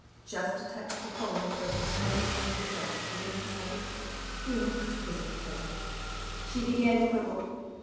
Just to touch the folds of the soiled gingham dress would, he decided, be an exquisite pleasure. She began to quibble.